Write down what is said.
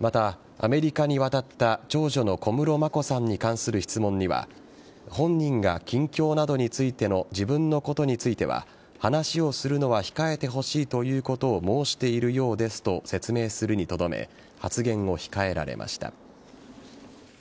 また、アメリカに渡った長女の小室眞子さんに関する質問には本人が近況などについての自分のことについては話をするのは控えてほしいということを申しているようですと説明するにとどめ発言を控えられました。